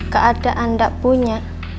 keadaan gak punya